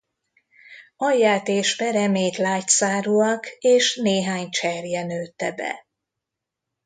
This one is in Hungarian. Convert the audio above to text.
Alját és peremét lágyszárúak és néhány cserje nőtte be.